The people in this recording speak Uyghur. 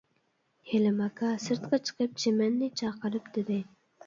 ھېلىم ئاكا سىرتقا چىقىپ چىمەننى چاقىرىپ دېدى.